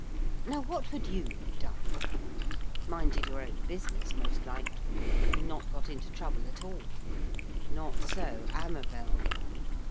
Now what would you have done? Minded your own business most likely, and not got into trouble at all. Not so Amabel.